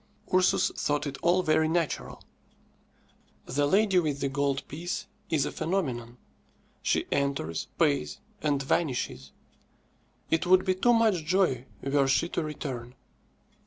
Ursus thought it all very natural. "The lady with the gold piece" is a phenomenon. She enters, pays, and vanishes. It would be too much joy were she to return.